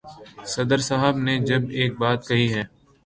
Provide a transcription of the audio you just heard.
صدر صاحب نے جب ایک بات کہی ہے۔